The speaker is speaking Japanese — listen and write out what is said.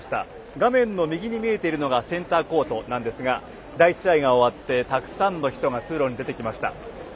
画面の右に見えているのがセンターコートなんですが第１試合が終わってたくさんの人が通路に出てきました。